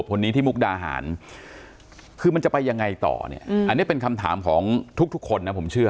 คนนี้ที่มุกดาหารคือมันจะไปยังไงต่อเนี่ยอันนี้เป็นคำถามของทุกคนนะผมเชื่อ